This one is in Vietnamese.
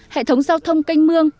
hệ thống giao thông canh mương